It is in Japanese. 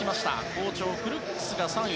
好調、クルックスが３位。